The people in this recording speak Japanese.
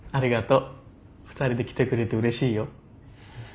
２人で来てくれてうれしいよ。